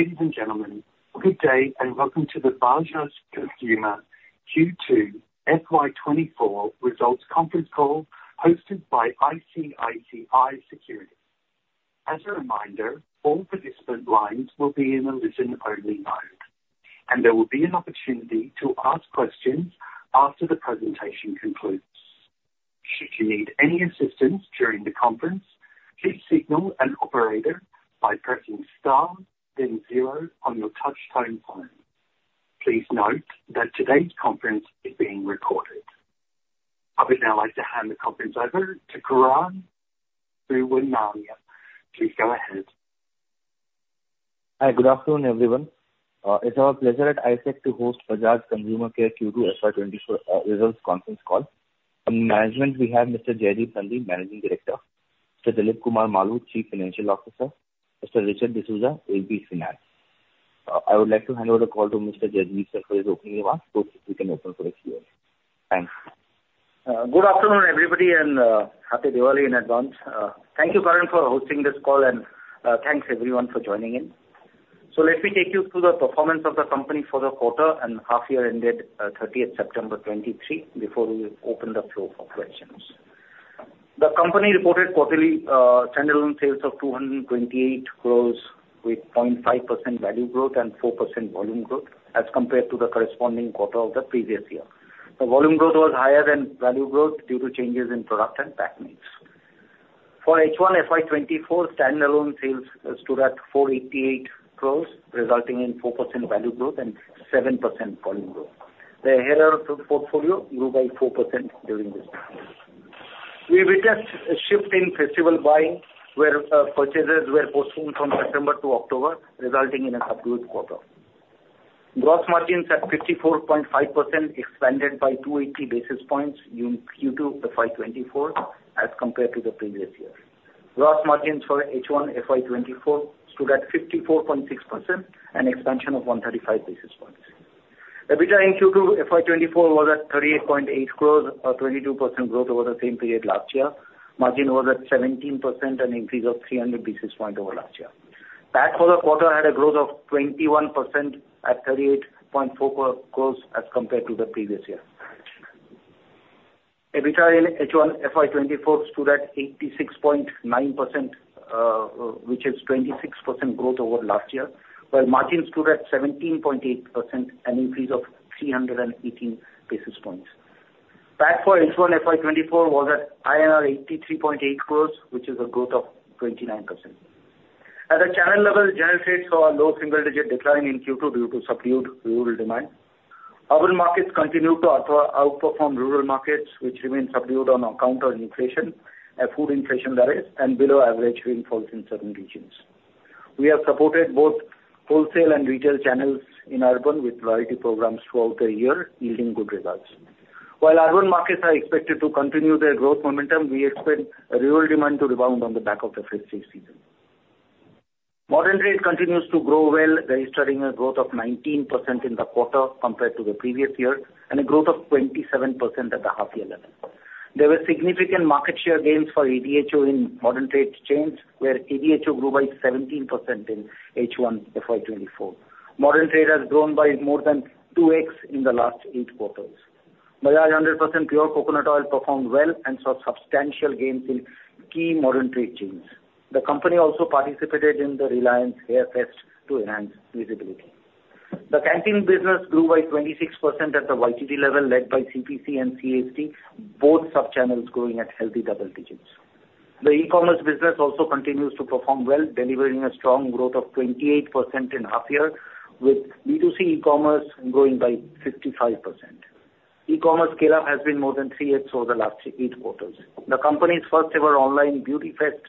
Ladies and gentlemen, good day, and welcome to the Bajaj Consumer Care Q2 FY 2024 results conference call, hosted by ICICI Securities. As a reminder, all participant lines will be in a listen-only mode, and there will be an opportunity to ask questions after the presentation concludes. Should you need any assistance during the conference, please signal an operator by pressing star then zero on your touchtone phone. Please note that today's conference is being recorded. I would now like to hand the conference over to Karan Bhuwania. Please go ahead. Hi, good afternoon, everyone. It's our pleasure at ICICI to host Bajaj Consumer Care Q2 FY 2024 results conference call. From management, we have Mr. Jaideep Nandi, Managing Director; Mr. Dilip Kumar Maloo, Chief Financial Officer; Mr. Richard D'Souza, AVP Finance. I would like to hand over the call to Mr. Jaideep Nandi for his opening remarks. So we can open the floor. Thanks. Good afternoon, everybody and happy Diwali in advance. Thank you Karan, for hosting this call, and thanks, everyone, for joining in. Let me take you through the performance of the company for the quarter and half year ended thirtieth September 2023, before we open the floor for questions. The company reported quarterly standalone sales of 228 crore with 0.5% value growth and 4% volume growth, as compared to the corresponding quarter of the previous year. The volume growth was higher than value growth due to changes in product and pack mix. For H1 FY 2024, standalone sales stood at 488 crore, resulting in 4% value growth and 7% volume growth. The hair portfolio grew by 4% during this time. We witnessed a shift in festival buying, where purchases were postponed from September to October, resulting in a subdued quarter. Gross margins at 54.5% expanded by 280 basis points in Q2 FY 2024 as compared to the previous year. Gross margins for H1 FY 2024 stood at 54.6%, an expansion of 135 basis points. EBITDA in Q2 FY 2024 was at 38.8 crore, a 22% growth over the same period last year. Margin was at 17%, an increase of 300 basis points over last year. PAT for the quarter had a growth of 21% at 38.4 crore as compared to the previous year. EBITDA in H1 FY 2024 stood at 86.9%, which is 26% growth over last year, while margin stood at 17.8%, an increase of 380 basis points. PAT for H1 FY 2024 was at INR 83.8 crores, which is a growth of 29%. At the channel level, general trades saw a low single-digit decline in Q2 due to subdued rural demand. Urban markets continued to outperformed rural markets, which remained subdued on account of inflation, food inflation that is, and below average rainfalls in certain regions. We have supported both wholesale and retail channels in urban with loyalty programs throughout the year, yielding good results. While urban markets are expected to continue their growth momentum, we expect rural demand to rebound on the back of the festive season. Modern trade continues to grow well, registering a growth of 19% in the quarter compared to the previous year, and a growth of 27% at the half year level. There were significant market share gains for ADHO in modern trade chains, where ADHO grew by 17% in H1 FY 2024. Modern trade has grown by more than 2x in the last eight quarters. Bajaj 100% Pure Coconut Oil performed well and saw substantial gains in key modern trade chains. The company also participated in the Reliance Hairfest to enhance visibility. The canteen business grew by 26% at the YTD level, led by CPC and CSD, both sub-channels growing at healthy double digits. The e-commerce business also continues to perform well, delivering a strong growth of 28% in half year, with B2C e-commerce growing by 55%. E-commerce scale-up has been more than 3x over the last eight quarters. The company's first-ever online beauty fest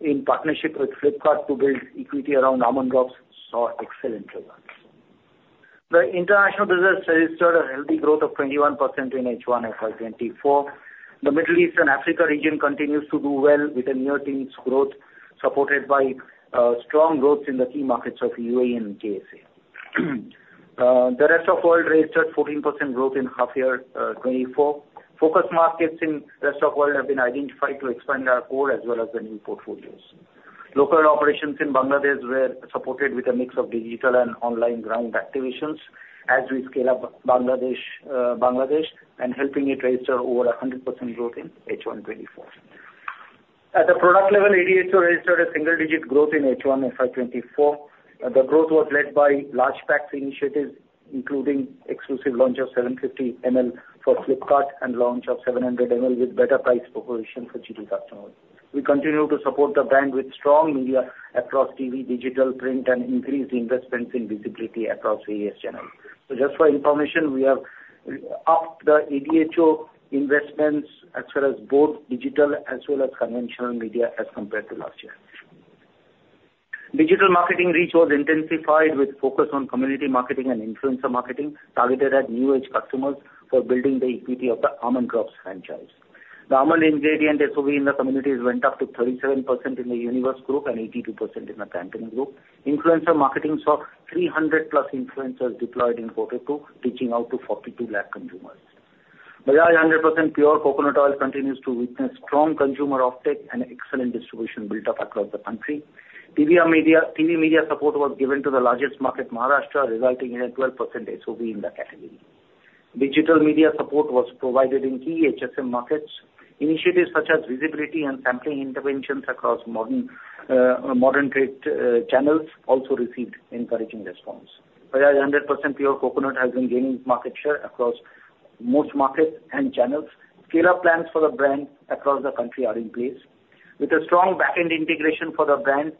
in partnership with Flipkart to build equity around Almond Drops saw excellent results. The international business registered a healthy growth of 21% in H1 FY 2024. The Middle East and Africa region continues to do well, with a near-teens growth, supported by strong growth in the key markets of UAE and KSA. The rest of world registered 14% growth in half year 2024. Focus markets in rest of world have been identified to expand our core as well as the new portfolios. Local operations in Bangladesh were supported with a mix of digital and online ground activations as we scale up Bangladesh, Bangladesh, and helping it register over 100% growth in H1 2024. At the product level, ADHO registered a single-digit growth in H1 FY 2024. The growth was led by large packs initiatives, including exclusive launch of 750 ml for Flipkart and launch of 700 ml with better price proposition for GT customers. We continue to support the brand with strong media across TV, digital, print, and increased investments in visibility across various channels. So just for your information, we have upped the ADHO investments as well as both digital as well as conventional media as compared to last year. Digital marketing reach was intensified with focus on community marketing and influencer marketing, targeted at new age customers for building the equity of the Almond Drops franchise. The almond ingredient SOV in the communities went up to 37% in the universe group and 82% in the canteen group. Influencer marketing saw 300+ influencers deployed in quarter two, reaching out to 42 lakh consumers... Bajaj 100% Pure Coconut Oil continues to witness strong consumer uptake and excellent distribution built up across the country. TVR media, TV media support was given to the largest market, Maharashtra, resulting in a 12% SOV in that category. Digital media support was provided in key HSM markets. Initiatives such as visibility and sampling interventions across modern trade channels also received encouraging response. Bajaj 100% Pure Coconut has been gaining market share across most markets and channels. Scale-up plans for the brand across the country are in place. With a strong back-end integration for the brand,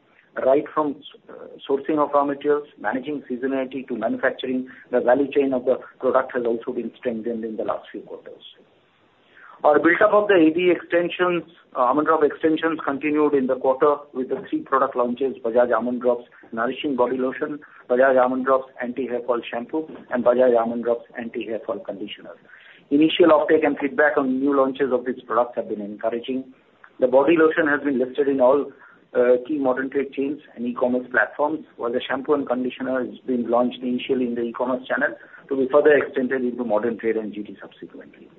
right from sourcing of raw materials, managing seasonality, to manufacturing, the value chain of the product has also been strengthened in the last few quarters. Our buildup of the AD extensions, Almond Drops extensions, continued in the quarter with the three product launches: Bajaj Almond Drops Nourishing Body Lotion, Bajaj Almond Drops Anti-Hair Fall Shampoo, and Bajaj Almond Drops Anti-Hair Fall Conditioner. Initial uptake and feedback on new launches of these products have been encouraging. The body lotion has been listed in all key modern trade chains and e-commerce platforms, while the shampoo and conditioner has been launched initially in the e-commerce channel to be further extended into modern trade and GT subsequently.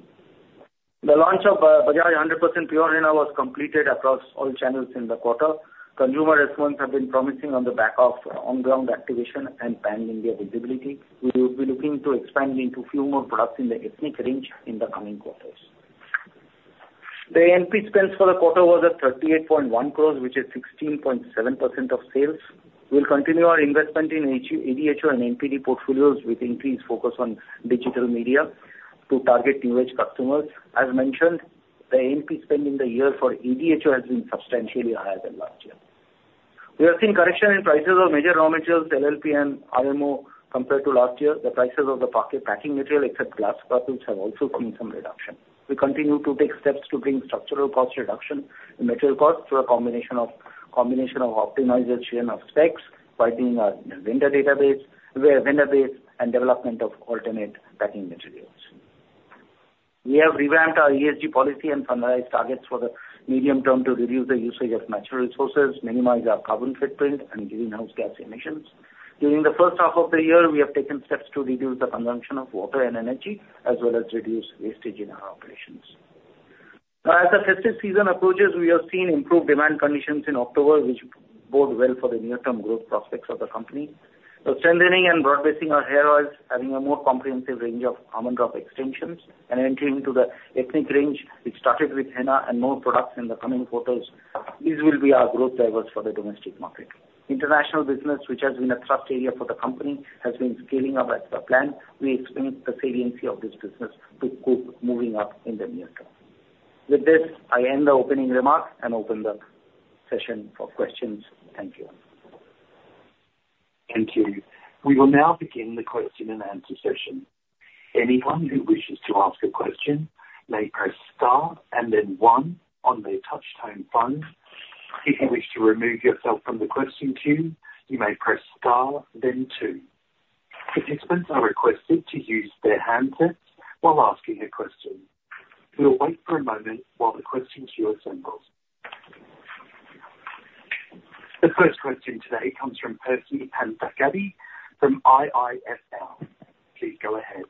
The launch of Bajaj 100% Pure Henna was completed across all channels in the quarter. Consumer response have been promising on the back of on-ground activation and pan-India visibility. We will be looking to expand into few more products in the ethnic range in the coming quarters. The NP spends for the quarter was at 38.1 crore, which is 16.7% of sales. We'll continue our investment in HSM-ADHO and NPD portfolios with increased focus on digital media to target new age customers. As mentioned, the NP spend in the year for ADHO has been substantially higher than last year. We have seen correction in prices of major raw materials, LLP and RMO, compared to last year. The prices of the packaging material, except glass bottles, have also seen some reduction. We continue to take steps to bring structural cost reduction in material costs through a combination of, combination of optimization of specs, by doing our vendor database, vendor base, and development of alternate packing materials. We have revamped our ESG policy and finalized targets for the medium term to reduce the usage of natural resources, minimize our carbon footprint, and greenhouse gas emissions. During the first half of the year, we have taken steps to reduce the consumption of water and energy, as well as reduce wastage in our operations. As the festive season approaches, we have seen improved demand conditions in October, which bode well for the near-term growth prospects of the company. So strengthening and broadbasing our hair oils, having a more comprehensive range of Almond Drops extensions, and entering into the ethnic range, which started with Henna and more products in the coming quarters, these will be our growth drivers for the domestic market. International business, which has been a thrust area for the company, has been scaling up as per plan. We expect the saliency of this business to keep moving up in the near term. With this, I end the opening remarks and open the session for questions. Thank you. Thank you. We will now begin the question and answer session. Anyone who wishes to ask a question may press star and then one on their touch-tone phone. If you wish to remove yourself from the question queue, you may press star, then two. Participants are requested to use their handsets while asking a question. We'll wait for a moment while the question queue assembles. The first question today comes from Percy Panthaki from IIFL. Please go ahead.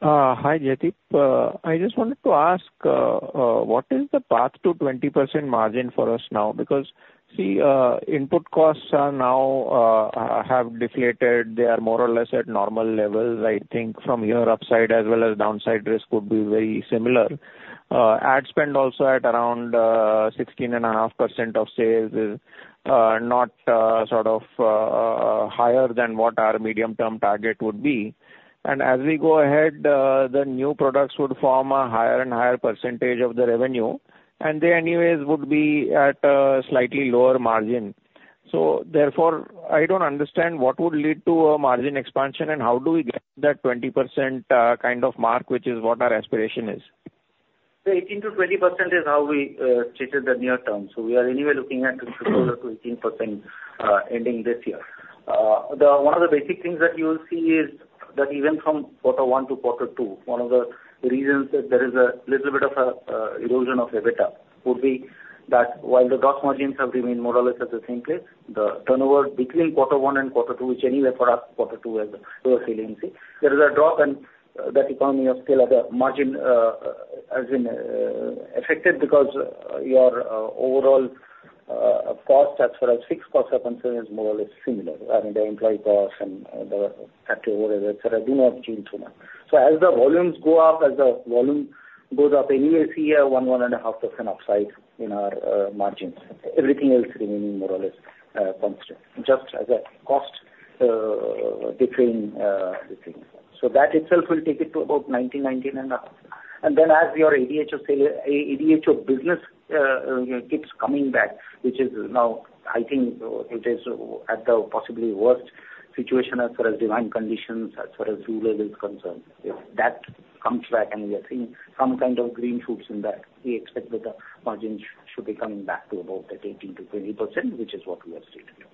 Hi, Jaideep. I just wanted to ask, what is the path to 20% margin for us now? Because, see, input costs are now have deflated. They are more or less at normal levels. I think from your upside as well as downside risk would be very similar. Ad spend also at around 16.5% of sales is not sort of higher than what our medium-term target would be. And as we go ahead, the new products would form a higher and higher percentage of the revenue, and they anyways would be at a slightly lower margin. So therefore, I don't understand what would lead to a margin expansion and how do we get that 20% kind of mark, which is what our aspiration is? So 18%-20% is how we stated the near term, so we are anyway looking at 16%, ending this year. One of the basic things that you will see is that even from quarter one to quarter two, one of the reasons that there is a little bit of a erosion of EBITDA would be that while the drop margins have remained more or less at the same place, the turnover between quarter one and quarter two, which anyway for us, quarter two has lower saliency. There is a drop, and that economy of scale at the margin, as in, affected because your overall cost as far as fixed costs are concerned, is more or less similar. I mean, the employee costs and the factory overhead, et cetera, do not change so much. So as the volumes go up, as the volume goes up anyway, see a 1-1.5% upside in our margins. Everything else remaining more or less constant, just as a cost between between. So that itself will take it to about 19-19.5. And then as your ADHO sales ADHO business keeps coming back, which is now, I think, it is at the possibly worst situation as far as demand conditions, as far as fuel level is concerned. If that comes back and we are seeing some kind of green shoots in that, we expect that the margins should be coming back to about that 18%-20%, which is what we have stated.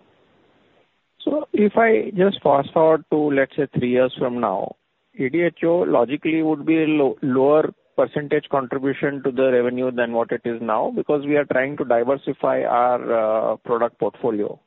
So if I just fast forward to, let's say, three years from now, ADHO logically would be a lower percentage contribution to the revenue than what it is now, because we are trying to diversify our product portfolio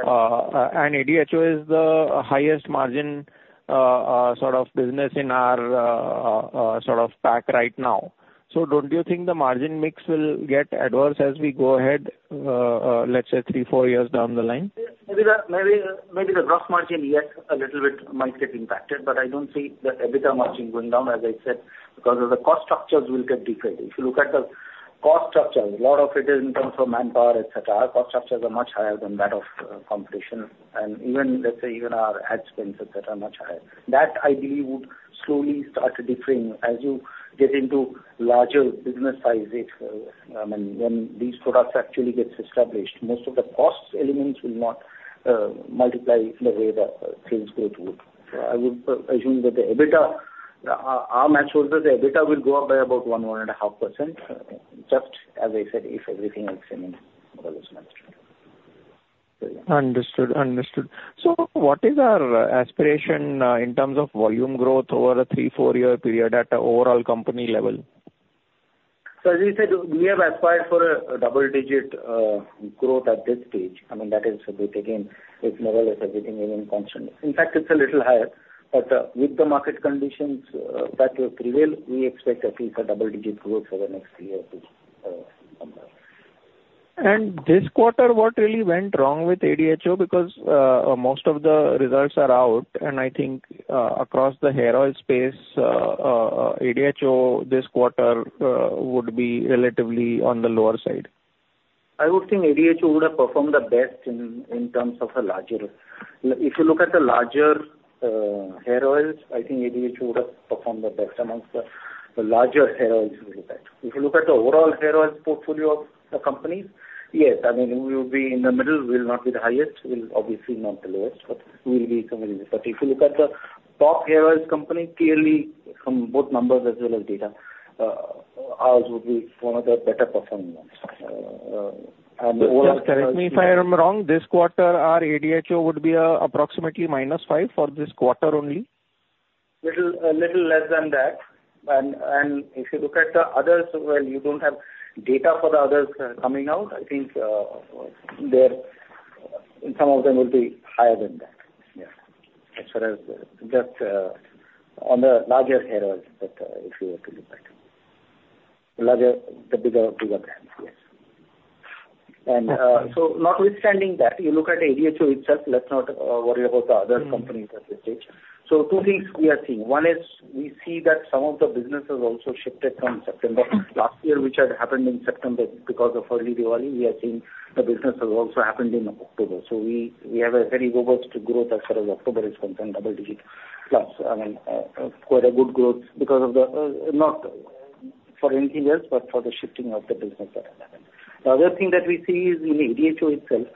and ADHO is the highest margin sort of business in our sort of pack right now. So don't you think the margin mix will get adverse as we go ahead, let's say, three, four years down the line? Maybe the gross margin, yes, a little bit might get impacted, but I don't see the EBITDA margin going down, as I said, because of the cost structures will get different. If you look at the cost structure, a lot of it is in terms of manpower, et cetera. Our cost structures are much higher than that of competition, and even, let's say, even our ad spends, et cetera, are much higher. That I believe would slowly start differing as you get into larger business sizes. I mean, when these products actually gets established, most of the costs elements will not multiply in the way the sales growth would. I would assume that the EBITDA, our mantra is that the EBITDA will go up by about 1%-1.5%, just as I said, if everything else remains well as managed. Understood, understood. So what is our aspiration in terms of volume growth over a 3-4-year period at the overall company level? So as we said, we have aspired for a double-digit growth at this stage. I mean, that is a bit again, if more or less everything is in constant. In fact, it's a little higher, but with the market conditions that will prevail, we expect at least a double-digit growth for the next year or two, number. This quarter, what really went wrong with ADHO? Because most of the results are out, and I think, across the hair oil space, ADHO this quarter would be relatively on the lower side. I would think ADHO would have performed the best in terms of the larger. If you look at the larger hair oils, I think ADHO would have performed the best amongst the larger hair oils, if you look at. If you look at the overall hair oils portfolio of the companies, yes, I mean, we will be in the middle, we'll not be the highest, we'll obviously not the lowest, but we'll be somewhere in the middle. But if you look at the top hair oils company, clearly from both numbers as well as data, ours would be one of the better performing ones, and what- Just correct me if I am wrong, this quarter, our ADHO would be approximately -5% for this quarter only? Little, a little less than that. And if you look at the others, well, you don't have data for the others coming out. I think, their, some of them will be higher than that. Yeah. As far as just on the larger hair oils, but if you were to look at it. Larger, the bigger, bigger brands, yes. Okay. So not with standing that, you look at ADHO itself, let's not worry about the other companies at this stage. So two things we are seeing. One is we see that some of the businesses also shifted from September last year, which had happened in September because of early Diwali. We are seeing the business has also happened in October. So we have a very robust growth as far as October is concerned, double digit. Plus, I mean, quite a good growth because of the, not for anything else, but for the shifting of the business that has happened. The other thing that we see is in ADHO itself,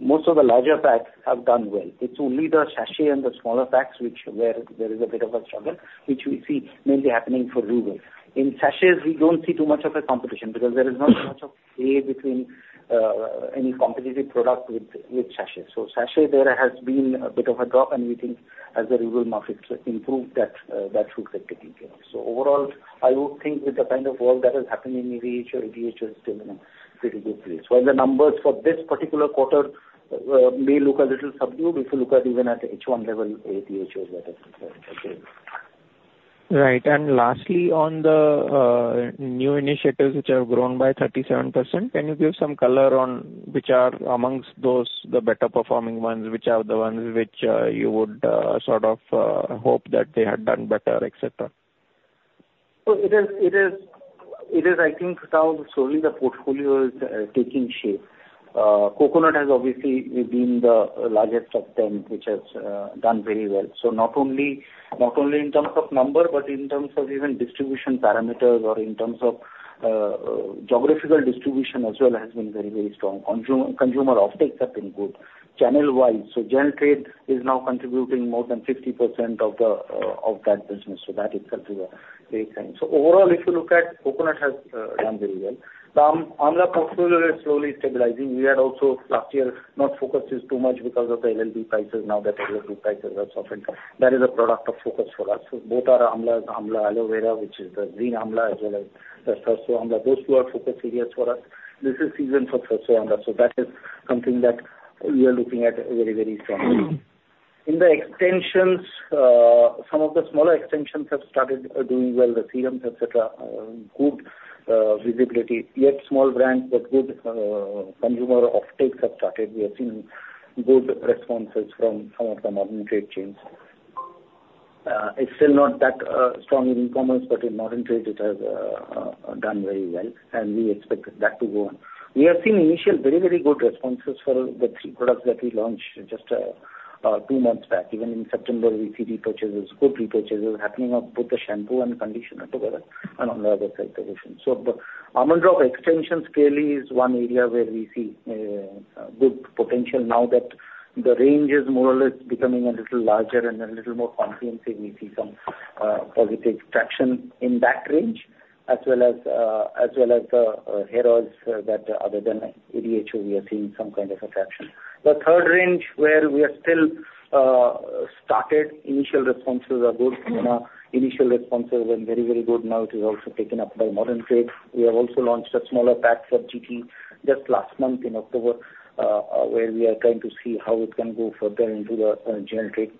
most of the larger packs have done well. It's only the sachet and the smaller packs where there is a bit of a struggle, which we see mainly happening for rural. In sachets, we don't see too much of a competition, because there is not much of a between any competitive product with, with sachets. So sachet, there has been a bit of a drop, and we think as the rural markets improve, that, that should get taken care of. So overall, I would think with the kind of work that has happened in ADHO, ADHO is still in a pretty good place. Well, the numbers for this particular quarter may look a little subdued if you look at even at H1 level, ADHO is better. Right. And lastly, on the new initiatives which have grown by 37%, can you give some color on which are amongst those, the better performing ones, which are the ones which you would sort of hope that they had done better, et cetera? So it is I think now slowly the portfolio is taking shape. Coconut has obviously been the largest of them, which has done very well. So not only in terms of number, but in terms of even distribution parameters or in terms of geographical distribution as well, has been very, very strong. Consumer offtakes have been good. Channel wise, gen trade is now contributing more than 50% of that business, so that itself is a great sign. So overall, if you look at Coconut has done very well. The Amla portfolio is slowly stabilizing. We had also last year not focused too much because of the LLP prices. Now that LLP prices have softened, that is a product of focus for us. So both our Amla, Amla Aloe Vera, which is the green amla, as well as the Sarson Amla. Those two are focus areas for us. This is season for Sarson Amla, so that is something that we are looking at very, very strongly. In the extensions, some of the smaller extensions have started doing well, the serums, et cetera. Good visibility, yet small brands, but good consumer offtakes have started. We are seeing good responses from some of the modern trade chains. It's still not that strong in e-commerce, but in modern trade it has done very well, and we expect that to go on. We have seen initial very, very good responses for the three products that we launched just two months back. Even in September, we see repurchases, good repurchases happening on both the shampoo and conditioner together and on the other categories. So the Almond Drops extensions clearly is one area where we see good potential now that the range is more or less becoming a little larger and a little more comprehensive. We see some positive traction in that range as well as as well as the heroes that other than ADHO, we are seeing some kind of attraction. The third range, where we are still started, initial responses are good. You know, initial responses were very, very good, now it is also taken up by Modern Trade. We have also launched a smaller pack for GT just last month in October, where we are trying to see how it can go further into the generic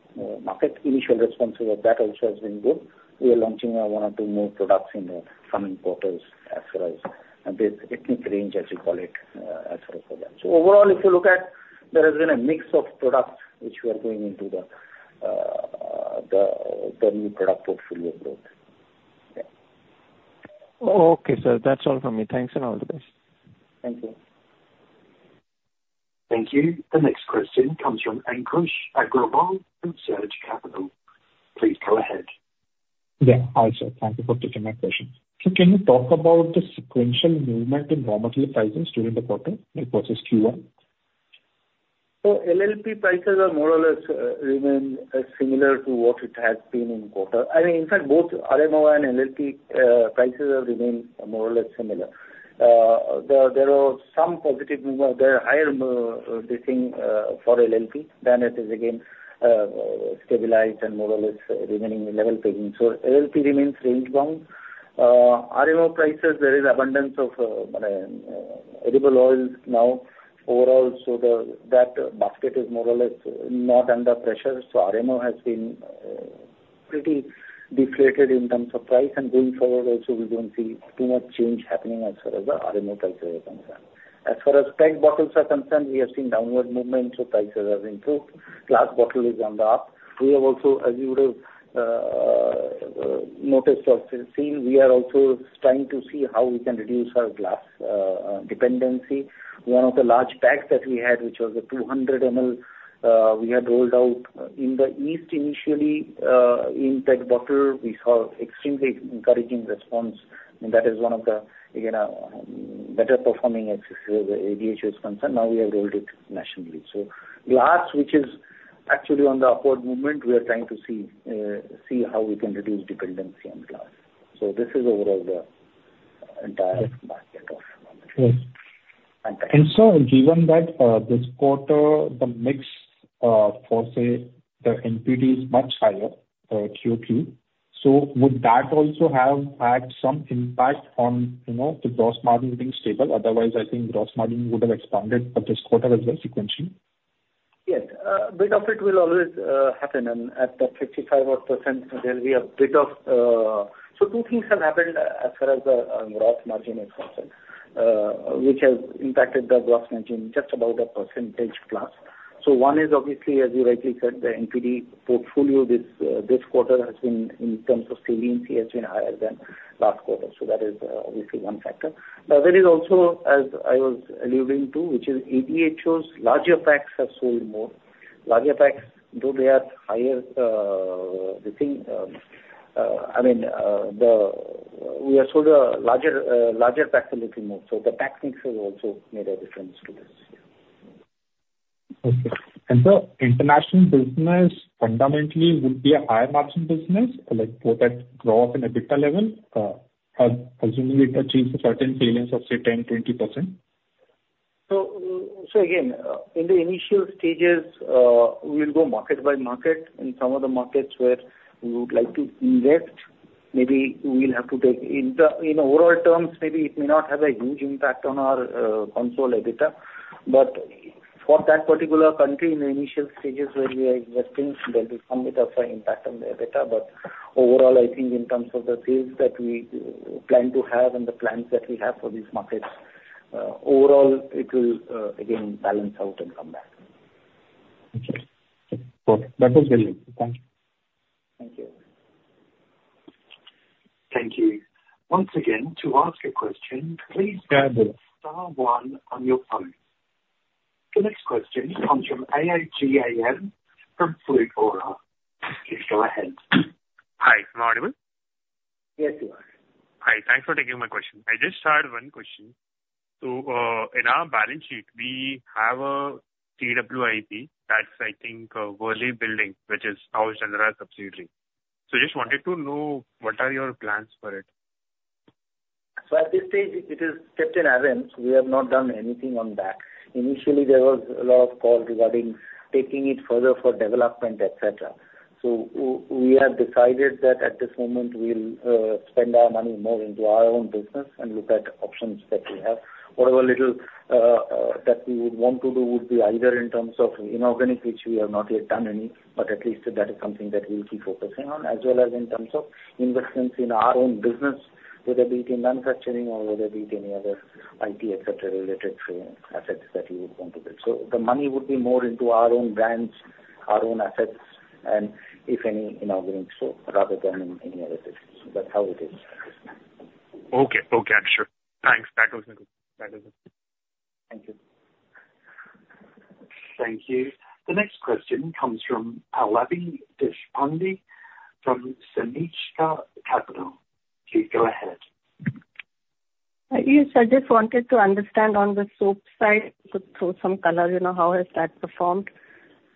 market. Initial responses of that also has been good. We are launching one or two more products in the coming quarters, as far as this ethnic range, as you call it, as far as for that. So overall, if you look at, there has been a mix of products which we are going into the the new product portfolio growth. Yeah. Okay, sir. That's all from me. Thanks, and all the best. Thank you. Thank you. The next question comes from Ankush Agarwal from Surge Capital. Please go ahead. Yeah. Hi, sir. Thank you for taking my question. Can you talk about the sequential movement in raw material pricing during the quarter versus Q1? So LLP prices are more or less remain similar to what it has been in quarter. I mean, in fact, both RMO and LLP prices have remained more or less similar. There were some positive move- there are higher this thing for LLP, than it is again stabilized and more or less remaining level taking. So LLP remains range bound. RMO prices, there is abundance of edible oils now overall, so that basket is more or less not under pressure. So RMO has been pretty deflated in terms of price, and going forward also we don't see too much change happening as far as the RMO price is concerned. As far as pack bottles are concerned, we have seen downward movement, so prices have improved. Glass bottle is on the up. We have also, as you would have noticed or seen, we are also trying to see how we can reduce our glass dependency. One of the large packs that we had, which was a 200 ml, we had rolled out in the east initially, in PET bottle, we saw extremely encouraging response. And that is one of the, again, a better performing as ADHO is concerned. Now we have rolled it nationally. So glass, which is actually on the upward movement, we are trying to see how we can reduce dependency on glass. So this is overall the entire basket of. And so given that, this quarter, the mix, for, say, the NPD is much higher, QOQ, so would that also have had some impact on, you know, the gross margin being stable? Otherwise, I think gross margin would have expanded for this quarter as well, sequentially. Yes. Bit of it will always happen, and at the 55-odd%, there'll be a bit of... So two things have happened as far as the gross margin is concerned, which has impacted the gross margin just about a percentage plus. So one is obviously, as you rightly said, the NPD portfolio this this quarter has been, in terms of saliency, has been higher than last quarter. So that is obviously one factor. The other is also, as I was alluding to, which is ADHO's larger packs have sold more. Larger packs, though they are higher this thing I mean we have sold a larger larger packs a little more, so the pack mix has also made a difference to this. Okay. International business fundamentally would be a higher margin business, like both at gross and in EBITDA level, assuming it achieves a certain salience of, say, 10%-20%? So, so again, in the initial stages, we'll go market by market. In some of the markets where we would like to invest, maybe we'll have to take... In the, in overall terms, maybe it may not have a huge impact on our, consolidated EBITDA. But for that particular country, in the initial stages where we are investing, there'll be some bit of an impact on the EBITDA. But overall, I think in terms of the sales that we plan to have and the plans that we have for these markets, overall, it will, again balance out and come back. Okay. Cool. That was really it. Thank you. Thank you. Thank you. Once again, to ask a question, please dial star one on your phone. The next question comes from AAGAM, from Flute Aura. Please go ahead. Hi, am I audible? Yes, you are. Hi, thanks for taking my question. I just had one question. So, in our balance sheet, we have a TWIP. That's, I think, a Worli building, which is housed under our subsidiary. So just wanted to know, what are your plans for it? So at this stage, it is kept in abeyance. We have not done anything on that. Initially, there was a lot of call regarding taking it further for development, et cetera. So we have decided that at this moment we'll spend our money more into our own business and look at options that we have. Whatever little that we would want to do would be either in terms of inorganic, which we have not yet done any, but at least that is something that we'll keep focusing on, as well as in terms of investments in our own business, whether it be in manufacturing or whether it be any other IT, et cetera, related to assets that we would want to build. So the money would be more into our own brands, our own assets, and if any, inorganic so, rather than any other business. That's how it is. Okay. Okay, I'm sure. Thanks. That was it. That is it. Thank you. Thank you. The next question comes from Pallavi Deshpande, from Sameeksha Capital. Please go ahead. I just, I just wanted to understand on the soap side, to throw some color, you know, how has that performed?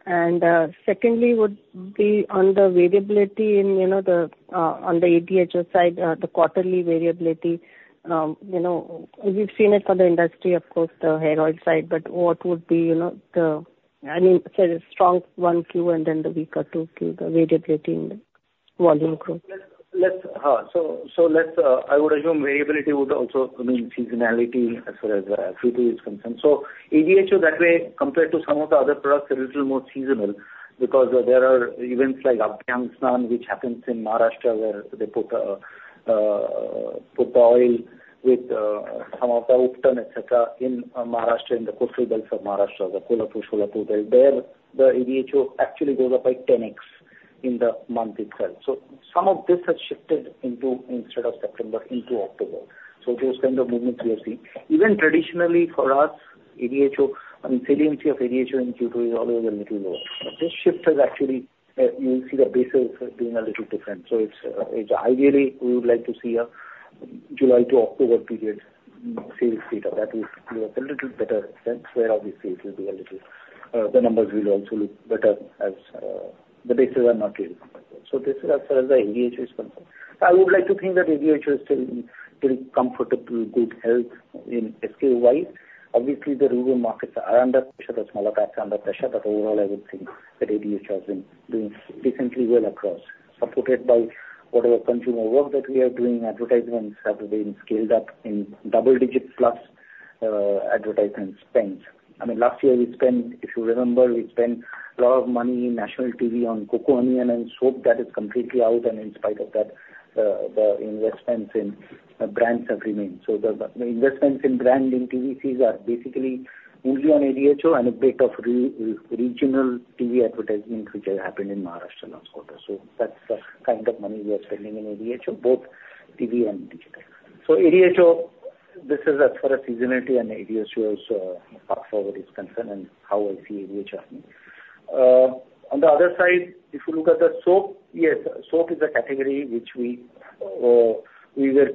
And, secondly, would be on the variability in, you know, the, on the ADHO side, the quarterly variability. You know, we've seen it for the industry, of course, the hair oil side, but what would be, you know, the, I mean, say, the strong one Q and then the weaker two Q, the variability in the volume growth. So, I would assume variability would also mean seasonality as far as future is concerned. So ADHO that way, compared to some of the other products, are a little more seasonal, because there are events like Abhyang Snan, which happens in Maharashtra, where they put oil with some of the, et cetera, in Maharashtra, in the coastal belts of Maharashtra, the Kolhapur, Solapur belt. There, the ADHO actually goes up by 10x in the month itself. So some of this has shifted into instead of September into October. So those kind of movements we are seeing. Even traditionally for us, ADHO, I mean, saliency of ADHO in Q2 is always a little lower. This shift has actually, you will see the bases being a little different. So it's, ideally, we would like to see a July to October period sales data. That will look a little better, since where obviously it will be a little, the numbers will also look better as, the bases are not really comparable. So this is as far as the ADHO is concerned. I would like to think that ADHO is still in, in comfortable, good health in SKU-wise. Obviously, the rural markets are under pressure, the smaller packs are under pressure, but overall, I would think that ADHO has been doing decently well across, supported by whatever consumer work that we are doing. Advertisements have been scaled up in double digit plus, advertisement spend. I mean, last year we spent, if you remember, we spent a lot of money in national TV on Coco Onion and then soap, that is completely out, and in spite of that, the investments in brands have remained. So the, the investments in brand in TVCs are basically only on ADHO and a bit of regional TV advertisements, which has happened in Maharashtra last quarter. So that's the kind of money we are spending in ADHO, both TV and digital. So ADHO, this is as far as seasonality and ADHO is, far forward is concerned and how I see ADHO happening. On the other side, if you look at the soap, yes, soap is a category which we were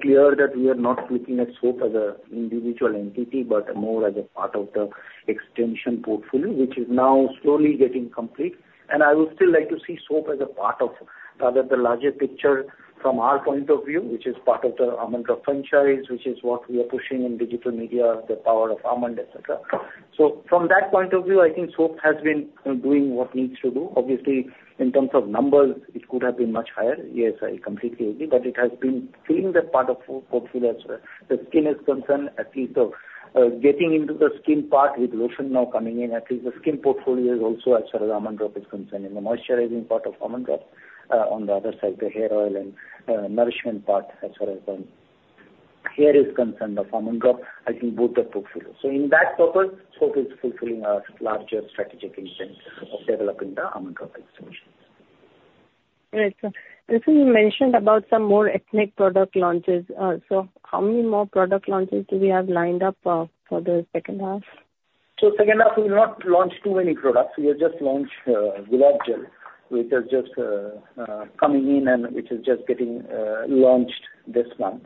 clear that we are not looking at soap as an individual entity, but more as a part of the extension portfolio, which is now slowly getting complete. I would still like to see soap as a part of the larger picture from our point of view, which is part of the Almond Drops franchise, which is what we are pushing in digital media, the power of almond, et cetera. So from that point of view, I think soap has been doing what needs to do. Obviously, in terms of numbers, it could have been much higher. Yes, I completely agree, but it has been filling that part of the portfolio as the skin is concerned, at least the getting into the skin part with lotion now coming in. At least the skin portfolio is also as far as Almond Drops is concerned, and the moisturizing part of Almond Drops. On the other side, the hair oil and nourishment part as far as hair is concerned, of Almond Drops, I think both the portfolio. So in that purpose, soap is fulfilling a larger strategic intent of developing the Almond Drops extension. Right. So you mentioned about some more ethnic product launches. So how many more product launches do we have lined up for the second half? So second half, we've not launched too many products. We have just launched, Gulab Jal, which is just, coming in and which is just getting, launched this month.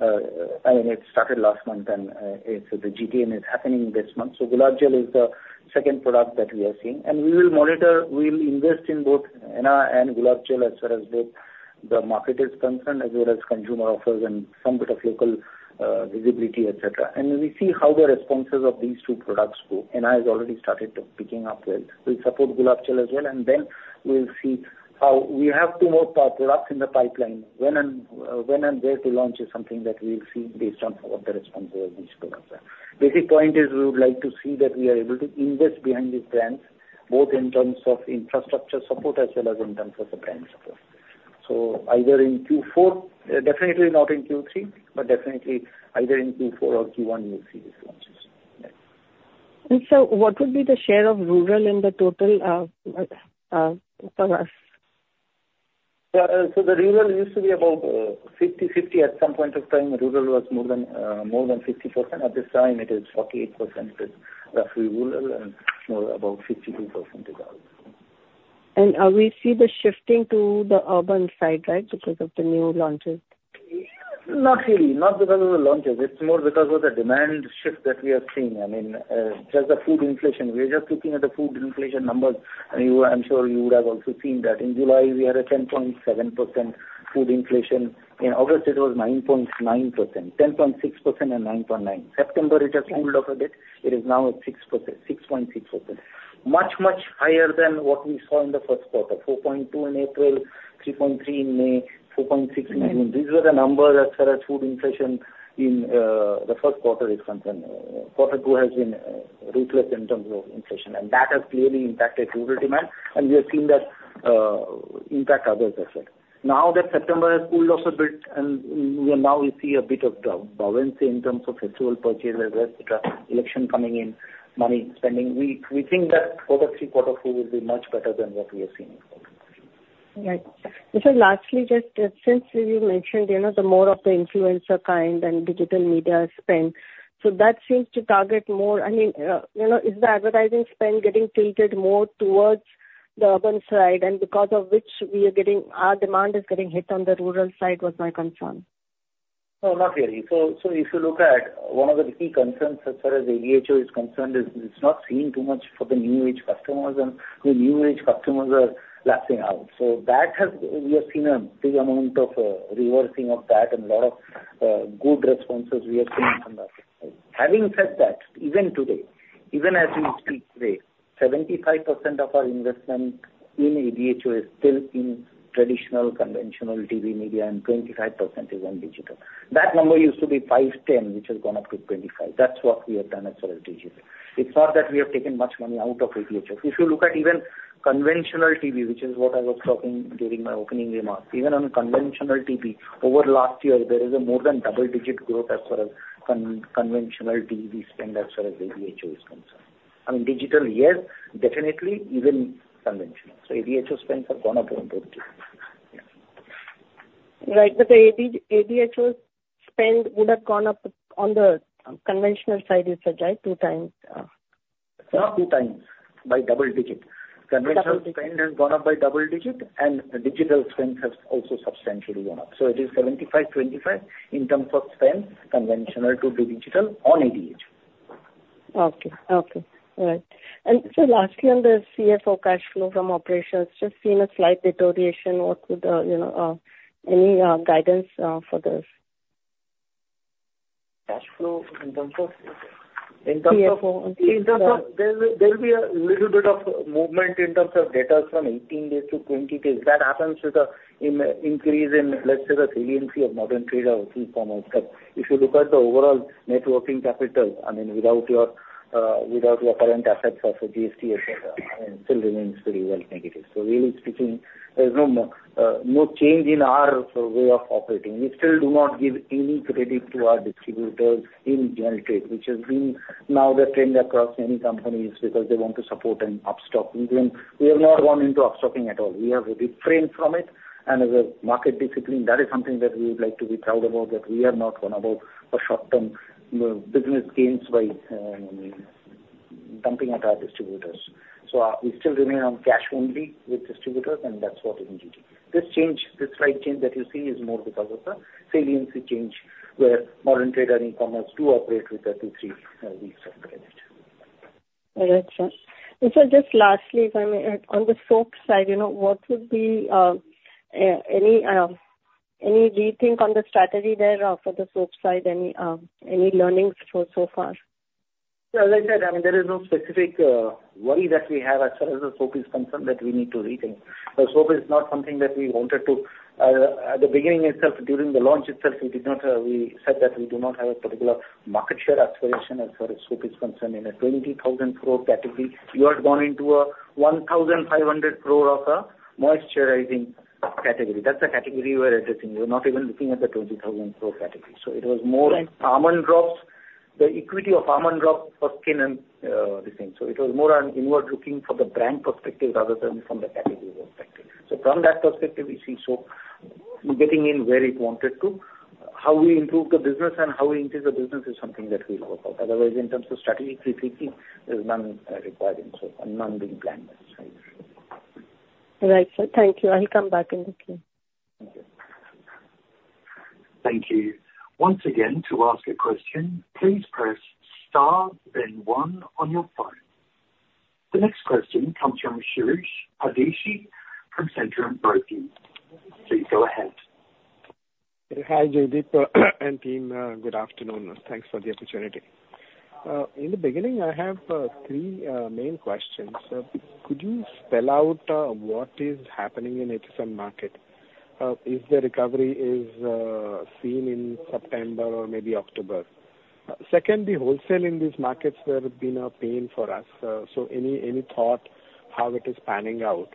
I mean, it started last month, and, it's the GTM is happening this month. So Gulab Jal is the second product that we are seeing. And we will monitor, we will invest in both henna and Gulab Jal as far as the, the market is concerned, as well as consumer offers and some bit of local, visibility, et cetera. And we see how the responses of these two products go. Henna has already started to picking up well. We'll support Gulab Jall as well, and then we'll see how. We have two more products in the pipeline. When and where to launch is something that we will see based on what the response of these products are. Basic point is we would like to see that we are able to invest behind these brands, both in terms of infrastructure support as well as in terms of the brand support. So either in Q4, definitely not in Q3, but definitely either in Q4 or Q1 you'll see these launches. Yes. What would be the share of rural in the total, for us? So the rural used to be about 50/50. At some point of time, rural was more than more than 50%. At this time, it is 48% is roughly rural and more, about 52% is urban. Are we seeing the shifting to the urban side, right, because of the new launches? Not really. Not because of the launches. It's more because of the demand shift that we are seeing. I mean, just the food inflation. We're just looking at the food inflation numbers. I mean, you, I'm sure you would have also seen that. In July, we had a 10.7% food inflation. In August, it was 9.9%. 10.6% and 9.9%. September, it has cooled off a bit. It is now at 6%, 6.6%. Much, much higher than what we saw in the first quarter, 4.2% in April, 3.3% in May, 4.6% in June. These were the numbers as far as food inflation in the first quarter is concerned. Quarter two has been ruthless in terms of inflation, and that has clearly impacted rural demand. We have seen that impact others as well. Now that September has cooled off a bit, and we now see a bit of the buoyancy in terms of festival purchases, et cetera, election coming in, money spending. We think that quarter three, quarter four will be much better than what we have seen in quarter two. Right. And so lastly, just since you mentioned, you know, the more of the influencer kind and digital media spend, so that seems to target more. I mean, you know, is the advertising spend getting tilted more towards the urban side, and because of which we are getting, our demand is getting hit on the rural side? Was my concern. No, not really. So, so if you look at one of the key concerns as far as ADHO is concerned, is it's not seeing too much for the new age customers and the new age customers are lapsing out. So that has, we have seen a big amount of, reversing of that and a lot of, good responses we have seen on that. Having said that, even today, even as we speak today, 75% of our investment in ADHO is still in traditional, conventional TV media, and 25% is on digital. That number used to be 5, 10, which has gone up to 25. That's what we have done as far as digital. It's not that we have taken much money out of ADHO. If you look at even conventional TV, which is what I was talking during my opening remarks, even on conventional TV, over last year, there is a more than double-digit growth as far as conventional TV spend as far as ADHO is concerned. I mean, digital, yes, definitely, even conventional. So ADHO spends have gone up on both too. Right. But the AD, ADHO spend would have gone up on the conventional side, you said, right? 2 times, Not two times, by double-digit. Double digit. Conventional spend has gone up by double-digit, and the digital spend has also substantially gone up. It is 75-25, in terms of spend, conventional to digital on ADHO. Okay. Okay, all right. And so lastly, on the CFO cash flow from operations, just seeing a slight deterioration. What would the, you know, any guidance for this? Cash flow in terms of? CFO. In terms of... There will be a little bit of movement in terms of debtors from 18 days to 20 days. That happens with the increase in, let's say, the saliency of modern trade or e-commerce. But if you look at the overall net working capital, I mean, without your current assets of GST et cetera, still remains pretty well negative. So really speaking, there's no change in our way of operating. We still do not give any credit to our distributors in general trade, which has been now the trend across many companies because they want to support an upstocking. We have not gone into upstocking at all. We have refrained from it and as a market discipline, that is something that we would like to be proud about, that we are not one about a short-term, business gains by, dumping at our distributors. So, we still remain on cash only with distributors, and that's what we need to do. This change, this slight change that you see is more because of the saliency change, where Modern Trade and e-commerce do operate with 2-3 weeks of credit. All right, sir. And sir, just lastly, if I may, on the soap side, you know, what would be any rethink on the strategy there for the soap side? Any learnings so far? Yeah, like I said, I mean, there is no specific worry that we have as far as the soap is concerned, that we need to rethink. The soap is not something that we wanted to... At the beginning itself, during the launch itself, we did not, we said that we do not have a particular market share aspiration as far as soap is concerned. In a 20,000 crore category, you are going into a 1,500 crore of a moisturizing category. That's the category we are addressing. We're not even looking at the 20,000 crore category. So it was more- Right. Almond Drops, the equity of Almond Drops for skin and this thing. So it was more on inward looking for the brand perspective rather than from the category perspective. So from that perspective, we see soap getting in where it wanted to. How we improve the business and how we increase the business is something that we'll work out. Otherwise, in terms of strategic rethinking, there's none requiring soap and none being planned. All right, sir. Thank you. I'll come back in the queue. Thank you. Thank you. Once again, to ask a question, please press star, then one on your phone. The next question comes from Shirish Pardeshi from Centrum Broking. Please go ahead. Hi, Jaideep and team, good afternoon, and thanks for the opportunity. In the beginning, I have three main questions. Could you spell out what is happening in HSM market? If the recovery is seen in September or maybe October. Second, the wholesale in these markets have been a pain for us. So any thought how it is panning out?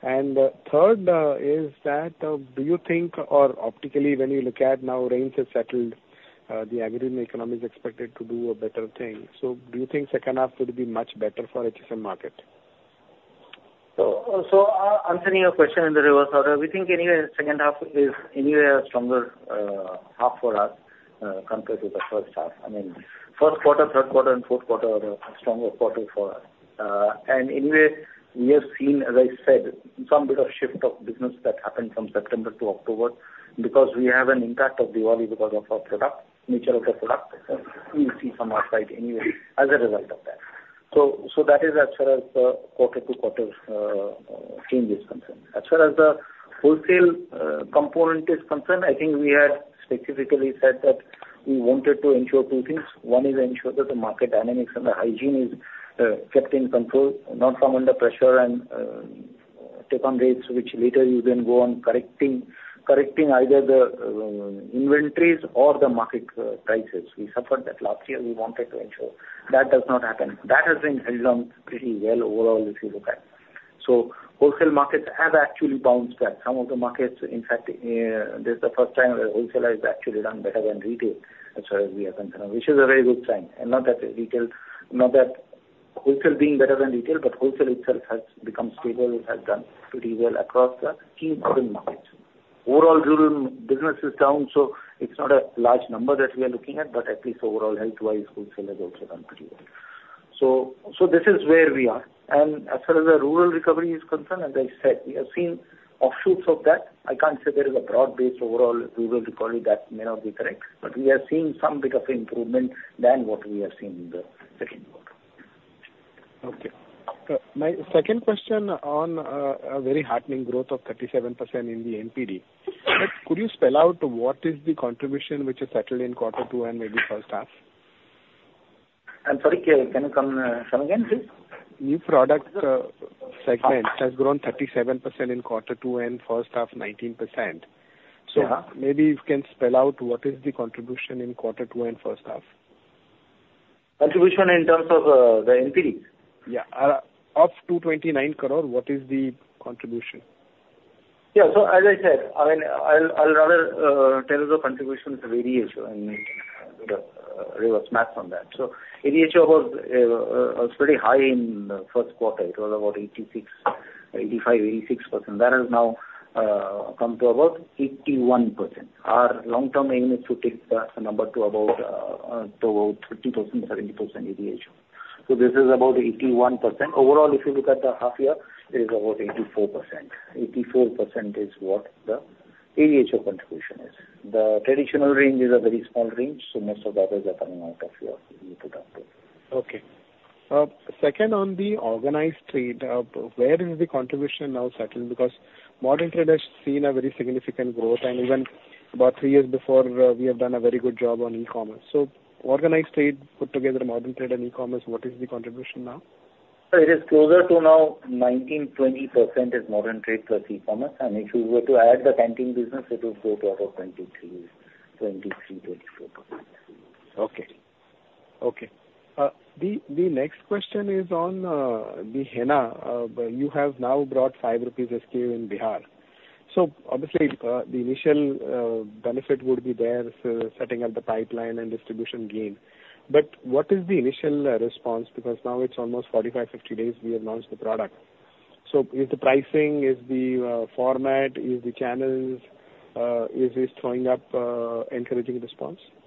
And third, is that, do you think or optically, when you look at now, range has settled, the agrarian economy is expected to do a better thing. So do you think second half will be much better for HSM market? So, answering your question in the reverse order, we think anyway, second half is anyway a stronger half for us compared to the first half. I mean, first quarter, third quarter, and fourth quarter are the stronger quarter for us. And anyway, we have seen, as I said, some bit of shift of business that happened from September to October, because we have an impact of Diwali because of our product, nature of the product. We will see some upside anyway as a result of that. So, that is as far as quarter-to-quarter change is concerned. As far as the wholesale component is concerned, I think we had specifically said that we wanted to ensure two things. One is ensure that the market dynamics and the hygiene is kept in control, not come under pressure and take on rates, which later you then go on correcting, correcting either the inventories or the market prices. We suffered that last year. We wanted to ensure that does not happen. That has been held on pretty well overall, if you look at it. So wholesale markets have actually bounced back. Some of the markets, in fact, this is the first time the wholesale has actually done better than retail, as far as we are concerned, which is a very good sign. And not that retail, not that wholesale being better than retail, but wholesale itself has become stable, it has done pretty well across the key urban markets. Overall rural business is down, so it's not a large number that we are looking at, but at least overall, health-wise, wholesale has also done pretty well. So, so this is where we are. And as far as the rural recovery is concerned, as I said, we have seen offshoots of that. I can't say there is a broad-based overall rural recovery. That may not be correct. But we are seeing some bit of improvement than what we have seen in the second quarter. Okay. My second question on a very heartening growth of 37% in the NPD. But could you spell out what is the contribution which is settled in quarter two and maybe first half? I'm sorry, can you come again, please? New product segment has grown 37% in quarter two and first half, 19%. Yeah. Maybe you can spell out what is the contribution in quarter two and first half? Contribution in terms of, the NPD? Yeah. Of 229 crore, what is the contribution? Yeah. So as I said, I mean, I'll rather tell you the contribution of ADHO and, you know, reverse math on that. So ADHO was pretty high in the first quarter. It was about 85-86%. That has now come to about 81%. Our long-term aim is to take that number to about 50-70% ADHO. So this is about 81%. Overall, if you look at the half year, it is about 84%. 84% is what the ADHO contribution is. The traditional range is a very small range, so most of the others are coming out of your new product. Okay. Second on the organized trade, where is the contribution now settled? Because modern trade has seen a very significant growth, and even about three years before, we have done a very good job on e-commerce. So organized trade, put together modern trade and e-commerce, what is the contribution now? So it is closer to now 19%-20% is modern trade plus e-commerce, and if you were to add the canteen business, it will go to about 23%-24%. Okay. Okay. The next question is on the henna. You have now brought 5 rupees SKU in Bihar. So obviously, the initial benefit would be there for setting up the pipeline and distribution gain. But what is the initial response? Because now it's almost 45-50 days we have launched the product. So is the pricing, is the format, is the channels, is this showing up encouraging response? Hello,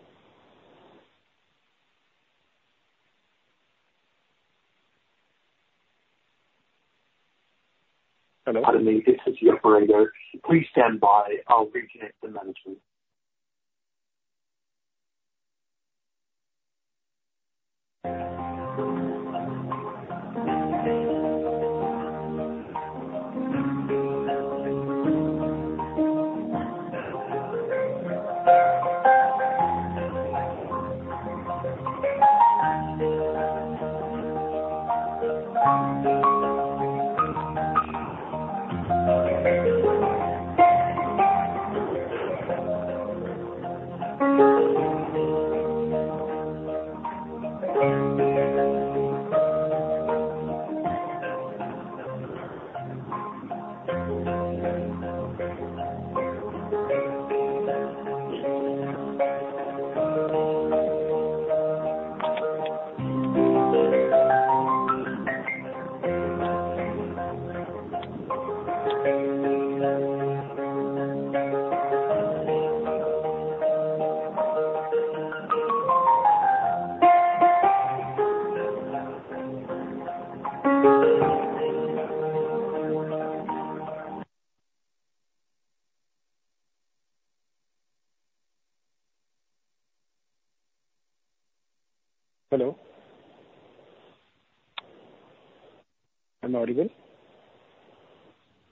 pardon me. This is the operator. Please stand by. I'll reconnect the management.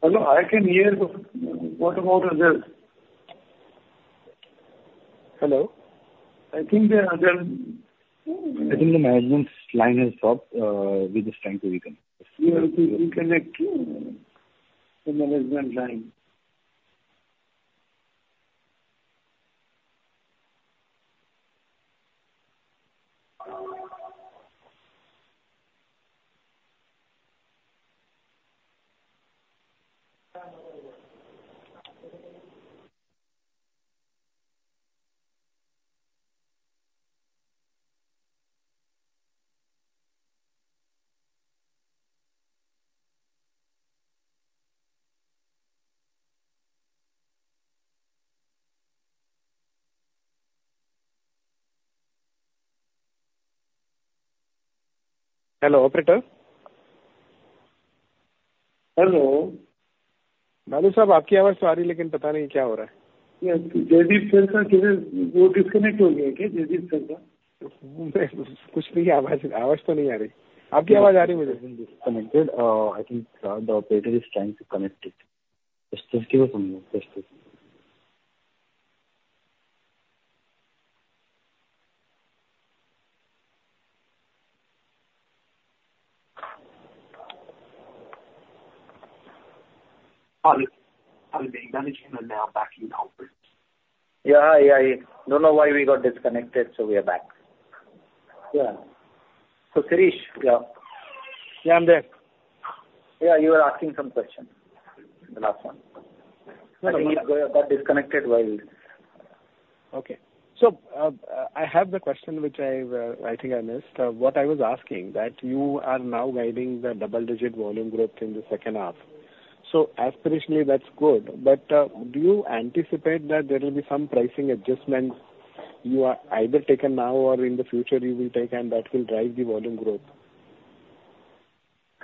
Hello? I'm audible. Yeah, I don't know why we got disconnected, so we are back. Yeah. So, Shirish, yeah. Yeah, I'm there. Yeah, you were asking some questions, the last one. I think we got disconnected while- Okay. So, I have the question which I, I think I missed. What I was asking, that you are now guiding the double-digit volume growth in the second half. So aspirationally, that's good, but, do you anticipate that there will be some pricing adjustments you are either taken now or in the future you will take and that will drive the volume growth?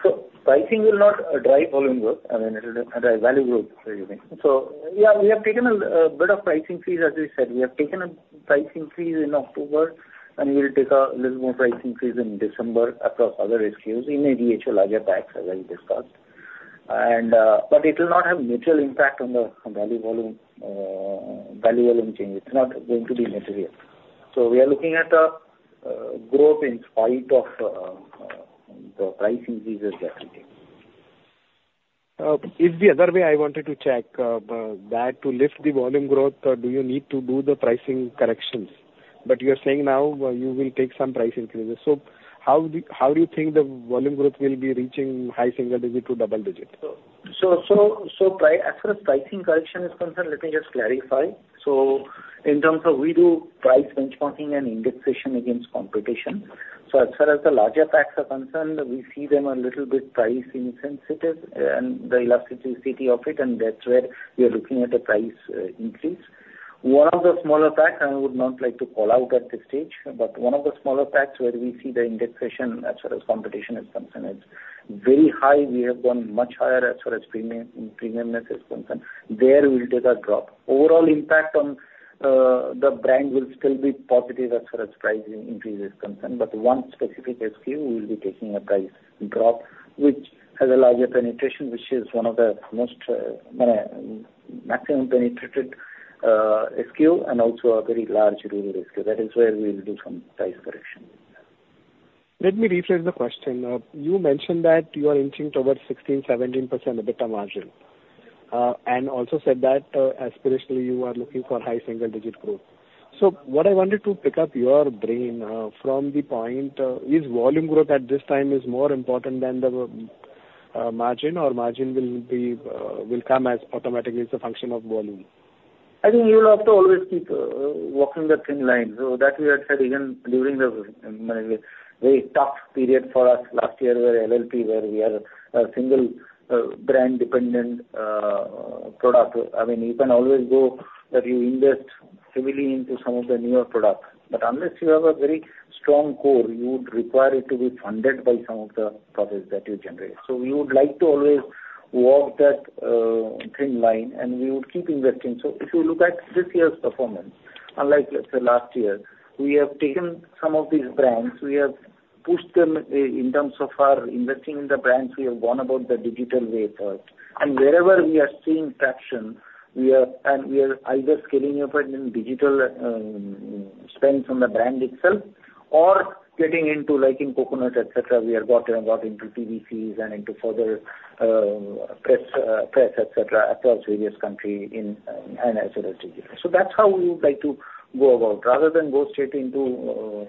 So pricing will not drive volume growth, I mean, it will drive value growth, you mean. So yeah, we have taken a bit of pricing fees as we said. We have taken a pricing fees in October, and we will take a little more pricing fees in December across other SKUs in ADHO larger packs, as I discussed. And, but it will not have material impact on the value, volume, value, volume change. It's not going to be material. So we are looking at the growth in spite of the price increases that we take. It's the other way I wanted to check that to lift the volume growth, do you need to do the pricing corrections? But you're saying now you will take some price increases. So how do you think the volume growth will be reaching high single digit to double digit? So as far as pricing correction is concerned, let me just clarify. So in terms of we do price benchmarking and indexation against competition. So as far as the larger packs are concerned, we see them a little bit price insensitive, and the elasticity of it, and that's where we are looking at a price increase. One of the smaller packs, and I would not like to call out at this stage, but one of the smaller packs where we see the indexation as far as competition is concerned, it's very high. We have gone much higher as far as premium, premiumness is concerned. There we will take a drop. Overall impact on the brand will still be positive as far as price increase is concerned, but one specific SKU, we will be taking a price drop, which has a larger penetration, which is one of the most maximum penetrated SKU and also a very large rural SKU. That is where we will do some price correction. Let me rephrase the question. You mentioned that you are inching towards 16%-17% EBITDA margin, and also said that, aspirationally, you are looking for high single-digit growth. So what I wanted to pick your brain, from the point, is volume growth at this time is more important than the, margin, or margin will be, will come as automatically as a function of volume? I think you will have to always keep walking the thin line. So that we had said even during the very tough period for us last year, where LLP, where we are a single brand dependent product. I mean, you can always go that you invest heavily into some of the newer products, but unless you have a very strong core, you would require it to be funded by some of the profits that you generate. So we would like to always walk that thin line, and we would keep investing. So if you look at this year's performance, unlike, let's say, last year, we have taken some of these brands, we have pushed them in terms of our investing in the brands. We have gone about the digital way first. And wherever we are seeing traction, we are and we are either scaling up in digital spend from the brand itself or getting into, like in Coconut, et cetera, we have got into TVCs and into further press, et cetera, across various country in and as well as TV. So that's how we would like to go about. Rather than go straight into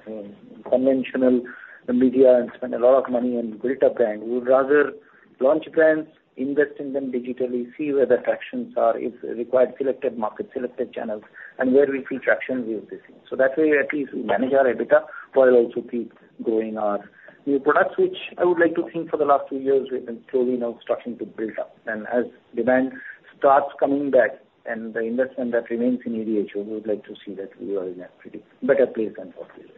conventional media and spend a lot of money and build a brand, we would rather launch brands, invest in them digitally, see where the tractions are, if required, selected market, selected channels, and where we see traction, we invest in. So that way, at least we manage our EBITDA, while also keep growing our new products, which I would like to think for the last few years, we've been slowly now starting to build up. As demand starts coming back and the investment that remains in ADHO, we would like to see that we are in a pretty better place than last year.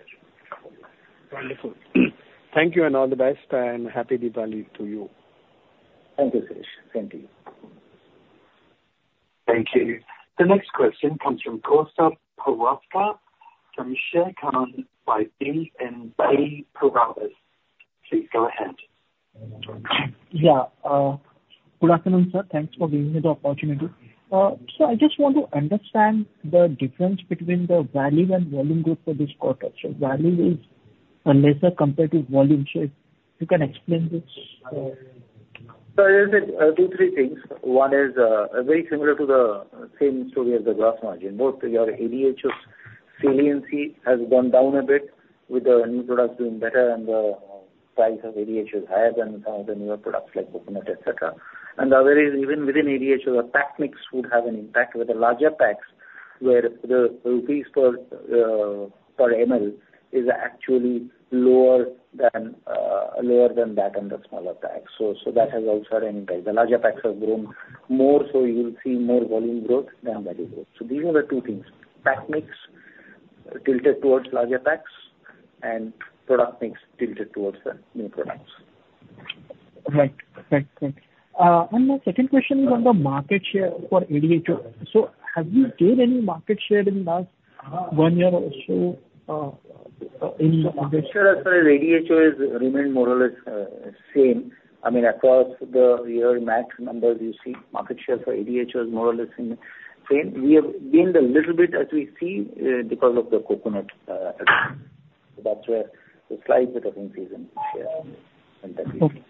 Wonderful. Thank you and all the best, and Happy Diwali to you. Thank you, Shirish. Thank you. Thank you. The next question comes from Kaustubh Pawaskar from Sharekhan by BNP Paribas. Please go ahead. Yeah, good afternoon, sir. Thanks for giving me the opportunity. So I just want to understand the difference between the value and volume growth for this quarter. So value is unlike compared to volume share. You can explain this? So as I said, 2, 3 things. One is, very similar to the same story as the gross margin. Both your ADHO saliency has gone down a bit, with the new products doing better and the, price of ADHO is higher than some of the newer products like Coconut, et cetera. And the other is, even within ADHO, the pack mix would have an impact with the larger packs, where the INR per, per ML is actually lower than, lower than that on the smaller packs. So, so that has also an impact. The larger packs have grown more, so you'll see more volume growth than value growth. So these are the two things. Pack mix tilted towards larger packs and product mix tilted towards the new products. Right. Thank you. And my second question is on the market share for ADHO. So have you gained any market share in the last one year or so, in- Market share as far as ADHO is remained more or less same. I mean, across the year, max numbers you see, market share for ADHO is more or less in the same. We have gained a little bit as we see because of the Coconut, that's where the slight improvement is in the share. Okay.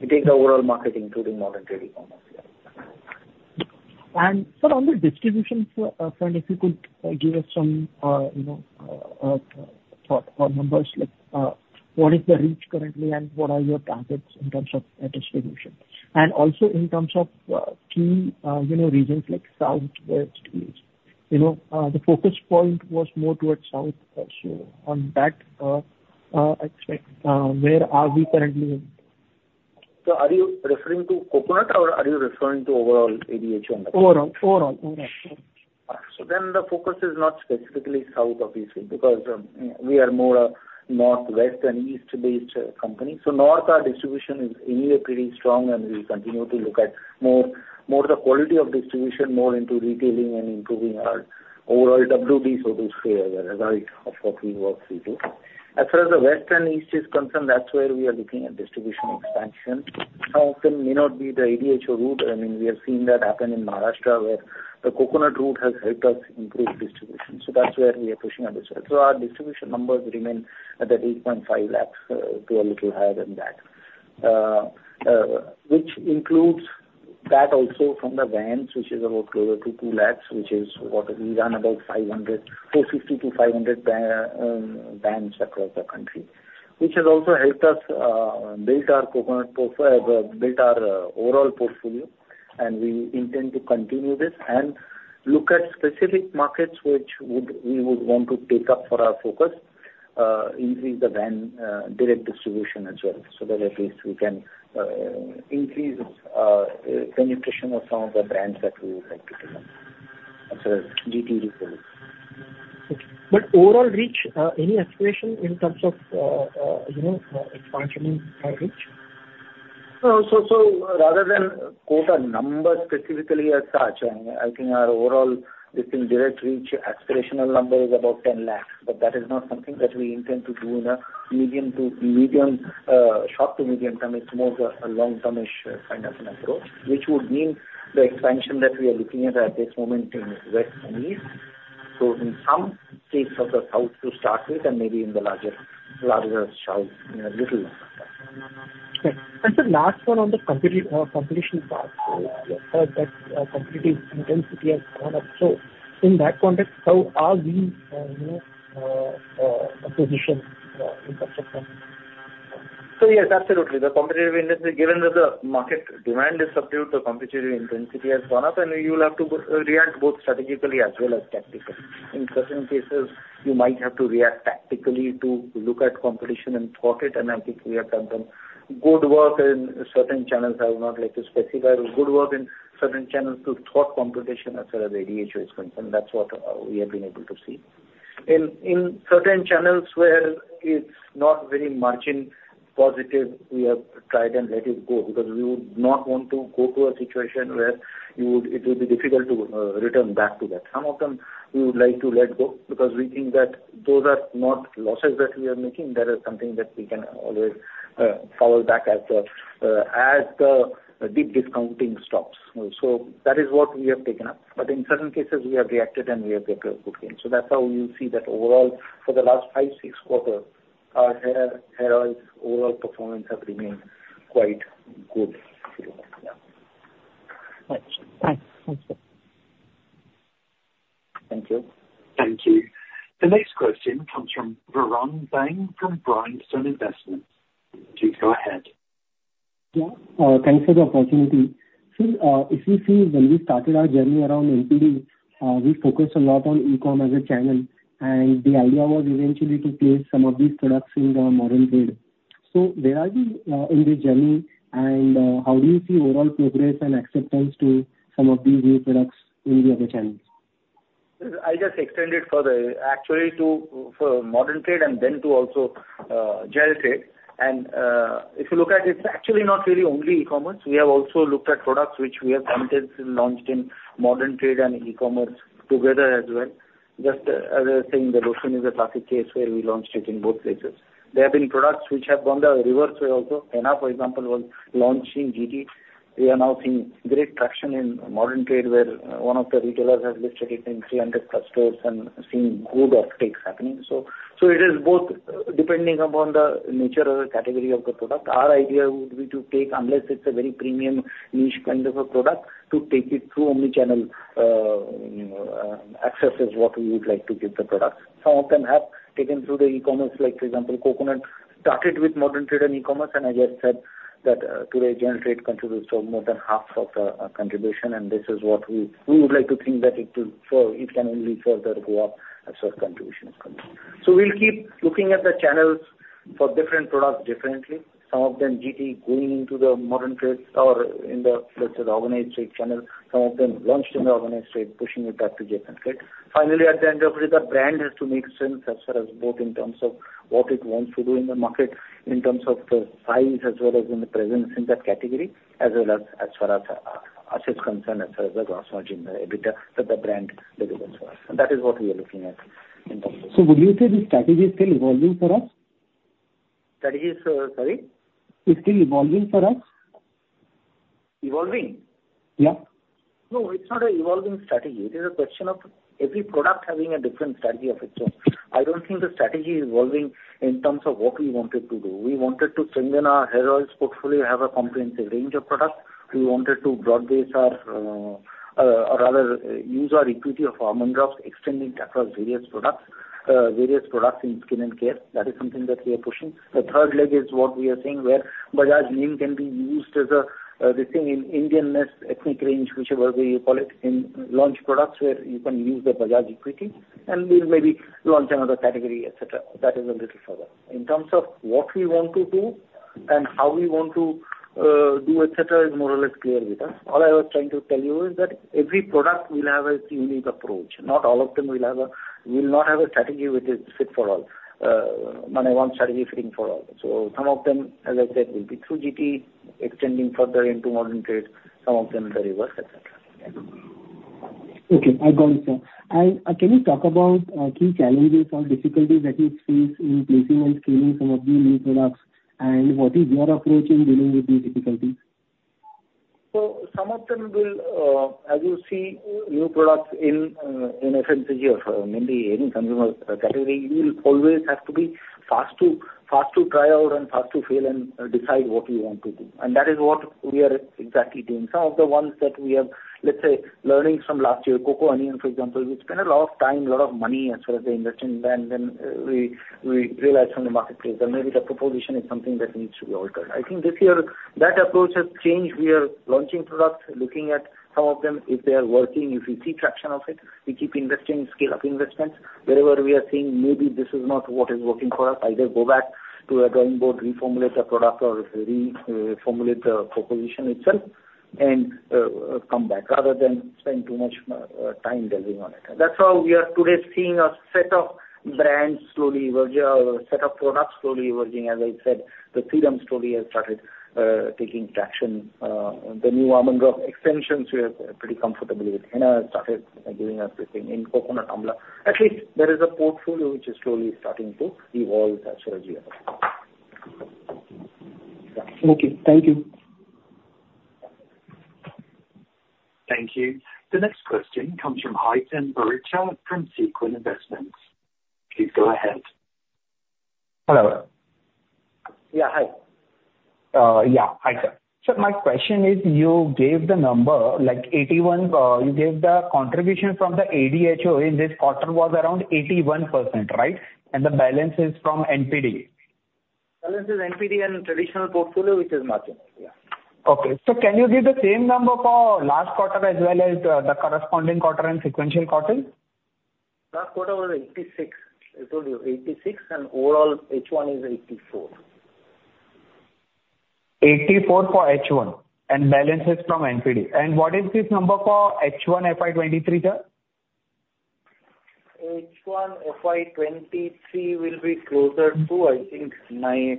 You take the overall market, including Modern Trade as well. Sir, on the distribution front, if you could give us some, you know, for numbers like, what is the reach currently and what are your targets in terms of the distribution? And also in terms of, key, you know, regions like South West region... you know, the focus point was more towards south, also, on that, expect, where are we currently in? So are you referring to Coconut, or are you referring to overall ADHO? Overall. Overall, overall. Then the focus is not specifically south, obviously, because we are more a northwest and east-based company. North, our distribution is anyway pretty strong, and we continue to look at more the quality of distribution, more into retailing and improving our overall WB so to say, as a result of what we work to do. As far as the west and east is concerned, that's where we are looking at distribution expansion. Some of them may not be the ADHO route. I mean, we have seen that happen in Maharashtra, where the Coconut route has helped us improve distribution, so that's where we are pushing our distribution. Our distribution numbers remain at that 8.5 lakhs to a little higher than that. Which includes that also from the vans, which is about closer to 2 lakh, which is what we run about 500, 450-500 vans across the country. Which has also helped us build our overall portfolio, and we intend to continue this and look at specific markets which we would want to take up for our focus, increase the van direct distribution as well, so that at least we can increase penetration of some of the brands that we would like to take up as well as GT products. Okay. But overall reach, any aspiration in terms of, you know, expansion in our reach? So rather than quote a number specifically as such, I think our overall, I think, direct reach aspirational number is about 10 lakhs, but that is not something that we intend to do in a medium to medium, short to medium term. It's more of a, a long-termish kind of an approach, which would mean the expansion that we are looking at, at this moment in west and east. So in some cases of the south to start with, and maybe in the larger, larger south in a little longer time. Right. And the last one on the competition part, that competitive intensity has gone up. So in that context, how are we, you know, positioned in terms of competition? So yes, absolutely. The competitive intensity, given that the market demand is subdued, the competitive intensity has gone up, and you will have to react both strategically as well as tactically. In certain cases, you might have to react tactically to look at competition and thwart it, and I think we have done some good work in certain channels. I would not like to specify. But good work in certain channels to thwart competition as far as ADHO is concerned, that's what we have been able to see. In certain channels where it's not very margin positive, we have tried and let it go, because we would not want to go to a situation where you would—it would be difficult to return back to that. Some of them we would like to let go because we think that those are not losses that we are making. That is something that we can always fall back as the deep discounting stops. So that is what we have taken up, but in certain cases we have reacted, and we have got a good gain. So that's how you see that overall, for the last five, six quarters, our hair, hair oil's overall performance have remained quite good. Yeah. Thanks. Thanks. Thank you. Thank you. Thank you. The next question comes from Varun Bang, from Bryanston Investments. Please go ahead. Yeah. Thanks for the opportunity. So, if you see, when we started our journey around NPD, we focused a lot on e-com as a channel, and the idea was eventually to place some of these products in the modern trade. So where are we in this journey, and how do you see overall progress and acceptance to some of these new products in the other channels? I just extended further, actually, to, for modern trade and then to also, general trade. And, if you look at it, it's actually not really only e-commerce. We have also looked at products which we have simultaneously launched in modern trade and e-commerce together as well. Just as I was saying, the lotion is a classic case where we launched it in both places. There have been products which have gone the reverse way also. Henna, for example, was launched in GT. We are now seeing great traction in modern trade, where one of the retailers has listed it in 300+ stores and seeing good off takes happening. So, so it is both depending upon the nature or the category of the product. Our idea would be to take, unless it's a very premium niche kind of a product, to take it through omni-channel, you know, access is what we would like to give the products. Some of them have taken through the e-commerce, like, for example, Coconut started with modern trade and e-commerce, and I just said that, today general trade contributes to more than half of the contribution, and this is what we would like to think that it will, so it can only further go up as far as contribution is concerned. So we'll keep looking at the channels for different products differently. Some of them, GT, going into the modern trade or in the, let's say, organized trade channel. Some of them launched in the organized trade, pushing it back to GT, right? Finally, at the end of it, the brand has to make sense as far as both in terms of what it wants to do in the market, in terms of the size as well as in the presence in that category, as well as, as far as us is concerned, as far as the gross margin, the EBITDA that the brand delivers for us, and that is what we are looking at in the- Would you say the strategy is still evolving for us? Strategy is, Sorry? Is still evolving for us? Evolving? Yeah. No, it's not an evolving strategy. It is a question of every product having a different strategy of its own. I don't think the strategy is evolving in terms of what we wanted to do. We wanted to strengthen our hair oils portfolio, have a comprehensive range of products. We wanted to broad base our, rather, use our equity of Almond Oil, extending it across various products.... various products in skin and care. That is something that we are pushing. The third leg is what we are saying, where Bajaj name can be used as a, this thing in Indian-ness ethnic range, whichever way you call it, in launch products, where you can use the Bajaj equity, and we'll maybe launch another category, et cetera. That is a little further. In terms of what we want to do and how we want to do et cetera, is more or less clear with us. All I was trying to tell you is that every product will have its unique approach. Not all of them will not have a strategy which is fit for all, one strategy fitting for all. So some of them, as I said, will be through GT, extending further into Modern Trade, some of them the reverse, et cetera. Yeah. Okay, I got it, sir. Can you talk about key challenges or difficulties that you face in placing and scaling some of the new products? What is your approach in dealing with these difficulties? So some of them will, as you see, new products in, in FMCG or mainly any consumer category, you will always have to be fast to, fast to try out and fast to fail and decide what we want to do. And that is what we are exactly doing. Some of the ones that we have, let's say, learnings from last year, Coco Onion, for example, we spent a lot of time, a lot of money as far as the investment, and then, we realized from the marketplace that maybe the proposition is something that needs to be altered. I think this year that approach has changed. We are launching products, looking at some of them, if they are working, if we see traction of it, we keep investing, scale up investments. Wherever we are seeing, maybe this is not what is working for us, either go back to the drawing board, reformulate the product or reformulate the proposition itself and come back, rather than spend too much time delving on it. That's how we are today seeing a set of brands slowly emerge, a set of products slowly emerging. As I said, the Freedom Story has started taking traction. The new Almond Drops extensions, we are pretty comfortable with. Henna has started giving us everything in Coconut Amla. At least there is a portfolio which is slowly starting to evolve as far as we are concerned. Okay. Thank you. Thank you. The next question comes from Hiten Boricha from Sequent Investments. Please go ahead. Hello. Yeah, hi. Yeah, hi, sir. So my question is, you gave the number, like, 81, you gave the contribution from the ADHO in this quarter was around 81%, right? And the balance is from NPD. Balance is NPD and traditional portfolio, which is margin. Yeah. Okay. So can you give the same number for last quarter as well as the corresponding quarter and sequential quarter? Last quarter was 86. I told you 86, and overall, H1 is 84. 84 for H1, and balance is from NPD. What is this number for H1 FY 2023, sir? H1 FY 2023 will be closer to, I think, 90,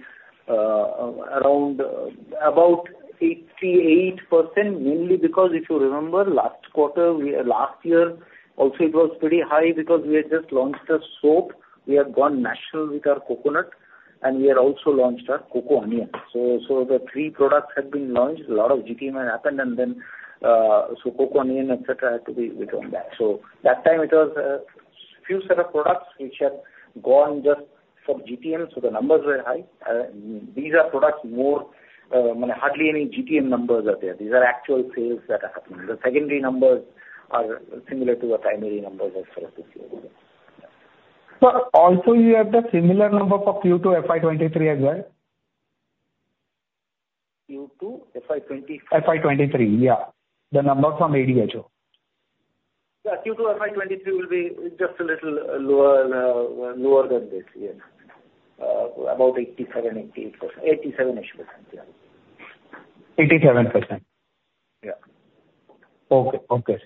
around about 88%, mainly because if you remember last quarter, we last year also, it was pretty high because we had just launched a soap. We have gone natural with our coconut, and we had also launched our Coco Onion. So the three products had been launched. A lot of GTM had happened, and then, so Coco Onion, et cetera, had to be withdrawn back. So that time it was few set of products which had gone just for GTM, so the numbers were high. These are products more, hardly any GTM numbers are there. These are actual sales that are happening. The secondary numbers are similar to the primary numbers as far as this year is concerned. Sir, also, you have the similar number for Q2 FY 2023 as well? Q2 FY 20- FY 23, yeah. The number from ADHO. Yeah. Q2 FY23 will be just a little lower, lower than this year. About 87-88%. 87-ish%, yeah. Eighty-seven percent? Yeah. Okay. Okay.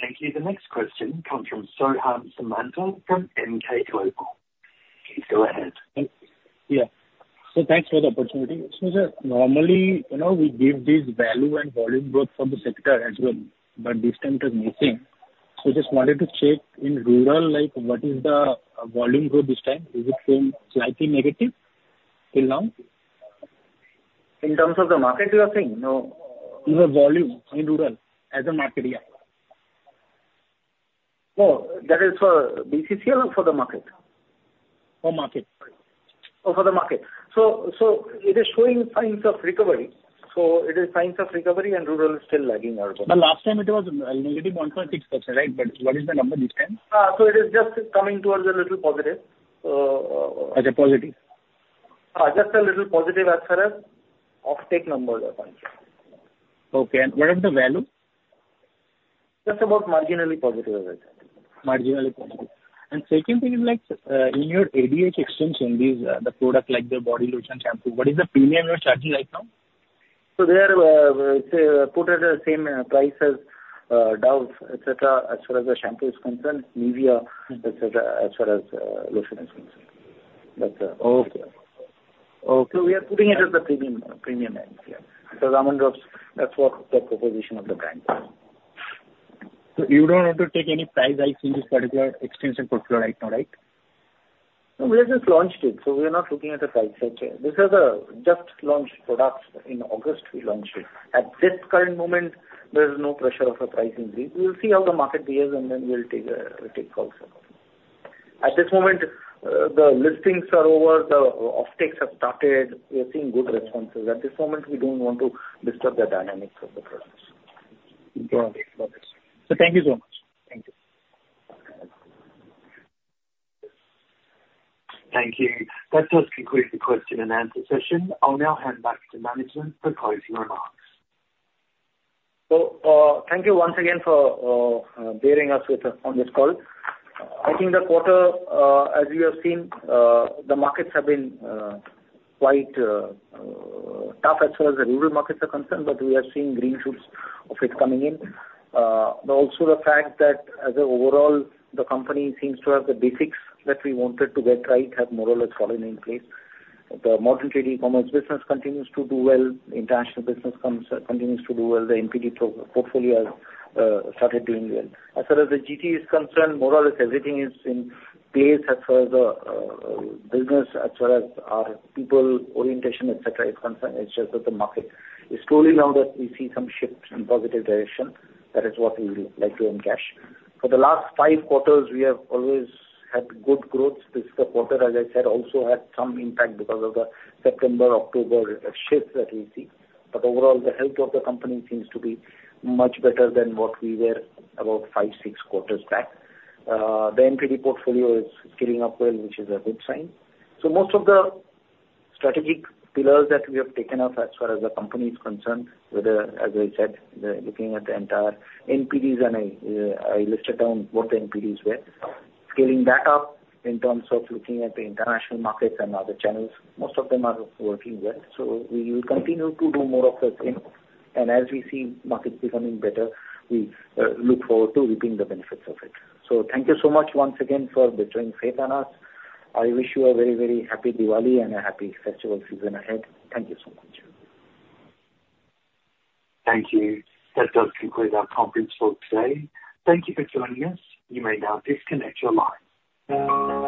Thank you. The next question comes from Soham Samanta from Emkay Global. Please, go ahead. Yeah. So thanks for the opportunity. So sir, normally, you know, we give this value and volume growth for the sector as well, but this time it is missing. So just wanted to check in rural, like, what is the volume growth this time? Is it showing slightly negative till now? In terms of the market, you are saying? No. In the volume, in rural, as a market year. No, that is for BCCL or for the market? For market, sorry. Oh, for the market. So, so it is showing signs of recovery. So it is signs of recovery and rural is still lagging out. But last time it was negative 1.6%, right? But what is the number this time? It is just coming towards a little positive. Okay, positive. Just a little positive as far as off-take numbers are concerned. Okay. What is the value? Just about marginally positive as I said. Marginally positive. Second thing is like, in your ADHO extension, these products, like the body lotion, shampoo, what is the premium you are charging right now? So they are, say, put at the same price as, Dove, et cetera, as far as the shampoo is concerned, Nivea, et cetera, as far as, lotion is concerned. That's- Okay. Okay. We are putting it at the premium, premium end, yeah. Almond Drops, that's what the proposition of the brand is. You don't want to take any price hikes in this particular extension portfolio right now, right? No, we have just launched it, so we are not looking at a price hike here. These are the just launched products. In August, we launched it. At this current moment, there is no pressure of a price increase. We'll see how the market behaves, and then we'll take a call for that. At this moment, the listings are over, the offtakes have started. We are seeing good responses. At this moment, we don't want to disturb the dynamics of the process. Got it. So thank you so much. Thank you. Thank you. That does conclude the question and answer session. I'll now hand back to management for closing remarks. Thank you once again for bearing with us on this call. I think the quarter, as you have seen, the markets have been quite tough as far as the rural markets are concerned, but we are seeing green shoots of it coming in. But also the fact that as an overall, the company seems to have the basics that we wanted to get right, have more or less fallen in place. The modern trade e-commerce business continues to do well. International business continues to do well. The NPD portfolio has started doing well. As far as the GT is concerned, more or less everything is in place as far as the business, as well as our people orientation, et cetera, is concerned. It's just that the market is slowly now that we see some shifts in positive direction, that is what we would like to encash. For the last five quarters, we have always had good growth. This quarter, as I said, also had some impact because of the September, October shifts that we see. But overall, the health of the company seems to be much better than what we were about five, six quarters back. The NPD portfolio is scaling up well, which is a good sign. So most of the strategic pillars that we have taken up as far as the company is concerned, whether, as I said, we're looking at the entire NPDs, and I listed down what the NPDs were. Scaling that up in terms of looking at the international markets and other channels, most of them are working well. So we will continue to do more of the same. And as we see markets becoming better, we look forward to reaping the benefits of it. So thank you so much once again for bestowing faith on us. I wish you a very, very happy Diwali and a happy festival season ahead. Thank you so much. Thank you. That does conclude our conference call today. Thank you for joining us. You may now disconnect your line.